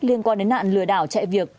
liên quan đến nạn lừa đảo chạy việc